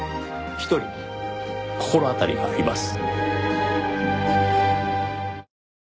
一人心当たりがあります。